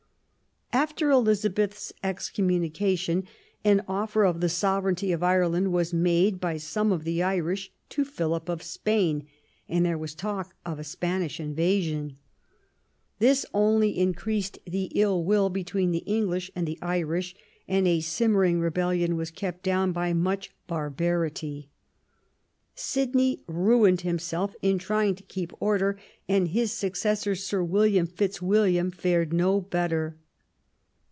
After Elizabeth's excommunication an offer of the sovereignty of Ireland was made by some of the Irish to Philip of Spain, and there was talk of a Spanish invasion. This only increased the ill will between the English and the Irish, and a simmering rebellion was kept down by much barbarity. Sidney ruined himself in trjdng to keep order; and his successor. Sir William Fitzwilliam, fared no better.